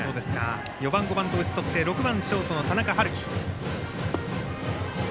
４番、５番と打ちとって６番ショートの田中春樹。